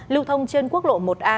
lưu thông trên quốc lộ một a